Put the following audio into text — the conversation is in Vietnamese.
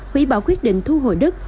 hủy bảo quyết định thu hồi đất